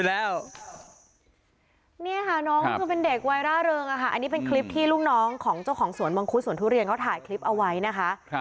อันนี้เป็นคลิปที่ลูกน้องของเจ้าของสวนมังคุศสวนทุเรียนเขาถ่ายคลิปเอาไว้นะคะ